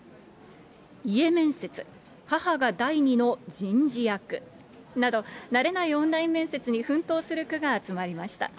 家面接母が第二の人事役。など、慣れないオンライン面接に奮闘する句が集まりました。